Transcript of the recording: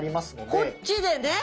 こっちでね。